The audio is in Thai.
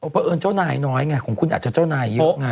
เพราะเอิญเจ้านายน้อยไงของคุณอาจจะเจ้านายเยอะไง